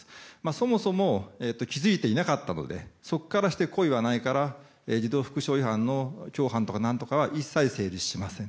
そもそも気づいていなかったのでそこからして故意はないから児童福祉法違反の共犯とかなんとかは一切成立しません。